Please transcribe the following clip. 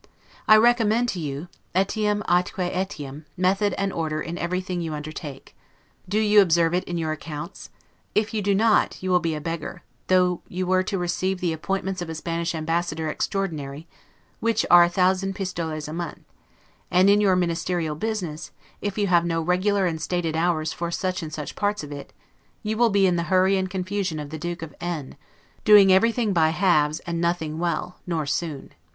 I recommend to you, 'etiam atque etiam', method and order in everything you undertake. Do you observe it in your accounts? If you do not, you will be a beggar, though you were to receive the appointments of a Spanish Ambassador extraordinary, which are a thousand pistoles a month; and in your ministerial business, if you have no regular and stated hours for such and such parts of it, you will be in the hurry and confusion of the Duke of N , doing everything by halves, and nothing well, nor soon.